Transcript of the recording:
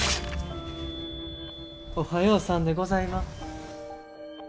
おはようさんでございます。